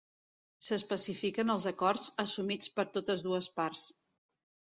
S'especifiquen els acords assumits per totes dues parts.